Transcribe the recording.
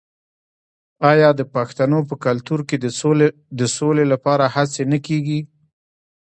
آیا د پښتنو په کلتور کې د سولې لپاره هڅې نه کیږي؟